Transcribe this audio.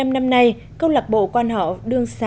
hai mươi năm năm nay công lạc bộ quan họa đương sản